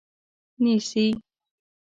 نیسي